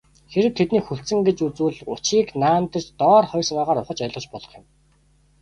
Хэрэв тэднийг хүлцсэн гэж үзвэл, учрыг наанадаж доорх хоёр санаагаар ухаж ойлгож болох юм.